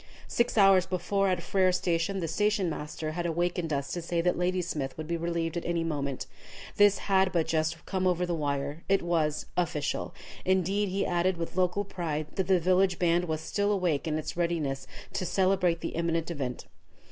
Six hours before, at Frere Station, the station master had awakened us to say that Ladysmith would be relieved at any moment. This had but just come over the wire. It was "official." Indeed, he added, with local pride, that the village band was still awake and in readiness to celebrate the imminent event.